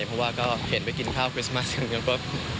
เพราะว่าก็เห็นไปกินข้าวคริสต์มาสกันก็คืออื้อหือ